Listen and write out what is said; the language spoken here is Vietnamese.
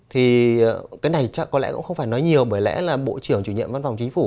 thì cái này có lẽ cũng không phải nói nhiều bởi lẽ là bộ trưởng chủ nhiệm văn phòng chính phủ